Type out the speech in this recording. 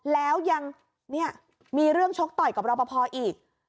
แล้วยังเนี่ยมีเรื่องชกต่อยกับรอปภอีก